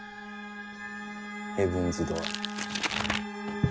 ヘブンズ・ドアー。